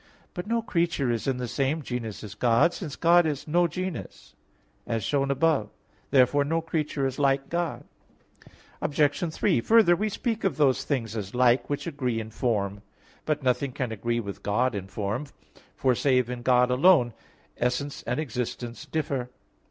But no creature is in the same genus as God: since God is no genus, as shown above (Q. 3, A. 5). Therefore no creature is like God. Obj. 3: Further, we speak of those things as like which agree in form. But nothing can agree with God in form; for, save in God alone, essence and existence differ.